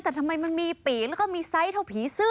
แต่ทำไมมันมีปีกแล้วก็มีไซส์เท่าผีเสื้อ